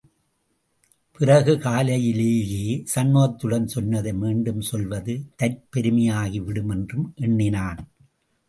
பிறகு காலையிலேயே சண்முகத்திடம் சொன்னதை மீண்டும் சொல்வது தற்பெருமையாகி விடும் என்றும் எண்ணினான்.